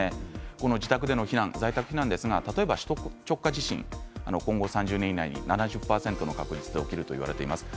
この自宅での避難在宅避難ですが例えば首都直下地震、今後３０年以内に７０％の確率で発生するといわれています。